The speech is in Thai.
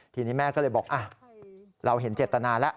ทีนี้แม่ก็เลยบอกเราเห็นเจตนาแล้ว